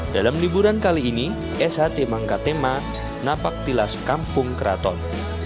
dalam liburan kali ini sht mangkatema napaktilas kampung kraton